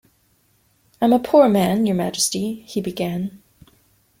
‘I’m a poor man, your Majesty,’ he began.